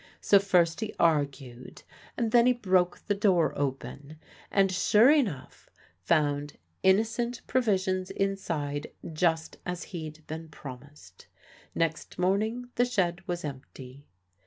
So first he argued, and then he broke the door open, and, sure enough, found innocent provisions inside just as he'd been promised. Next morning the shed was empty.